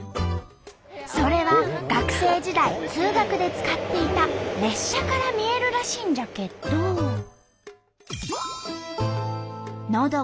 それは学生時代通学で使っていた列車から見えるらしいんじゃけど。